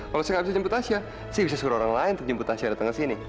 kalau saya nggak bisa jemput tasya saya bisa suruh orang lain jemput tasya datang ke sini